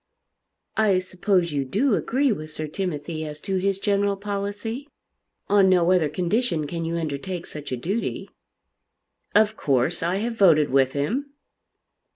"I suppose you do agree with Sir Timothy as to his general policy? On no other condition can you undertake such a duty." "Of course I have voted with him."